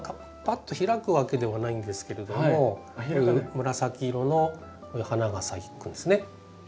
パッと開くわけではないんですけれども紫色のこういう花が咲くんですね。